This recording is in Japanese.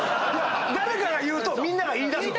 誰かが言うとみんなが言いだす。